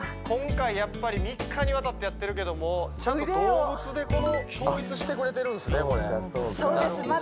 今回やっぱり３日にわたってやってるけども腕をちゃんと動物で統一してくれてるそうです